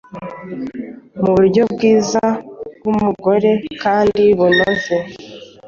Muburyo bwiza bwumugore kandi bunoze